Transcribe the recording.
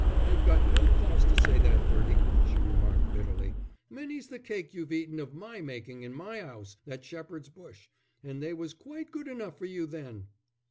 "You've got no cause to say that, Bertie," she remarked, bitterly. "Many's the cake you've eaten of my making in my 'ouse at Shepherd's Bush. And they was quite good enough for you then."